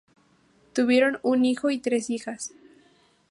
Tuvieron un hijo y tres hijas.